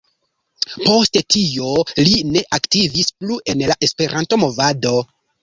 Poste tio, li ne aktivis plu en la Esperanto-movado.